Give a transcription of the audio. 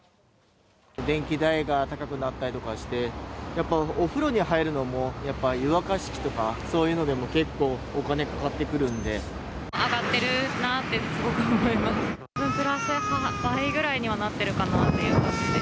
電気代が高くなったりとかして、やっぱお風呂に入るのも、やっぱ湯沸かし器とか、そういうのでも結構、お金かかってくるん上がってるなってすごく思いプラス、やっぱり倍ぐらいにはなっているかなと。